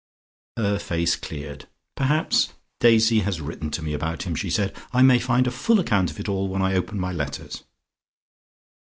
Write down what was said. Her face cleared. "Perhaps Daisy has written to me about him," she said. "I may find a full account of it all when I open my letters."